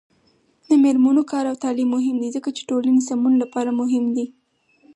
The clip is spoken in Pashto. د میرمنو کار او تعلیم مهم دی ځکه چې ټولنې سمون لپاره مهم دی.